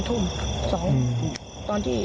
ทุ่ม๒ตอนที่